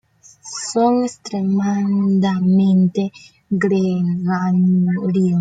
Son extremadamente gregarios.